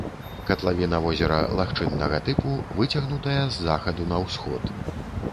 Катлавіна возера лагчыннага тыпу, выцягнутая з захаду на ўсход.